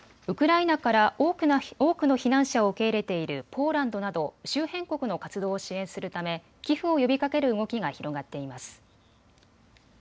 ウクライナから多くの避難者を受け入れているポーランドなど周辺国の活動を支援するため寄付を呼びかける動きが広がっています。